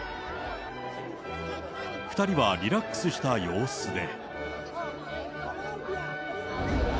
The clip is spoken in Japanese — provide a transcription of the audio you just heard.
２人はリラックスした様子で。